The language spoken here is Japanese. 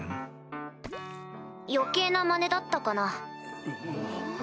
余計なまねだったかな？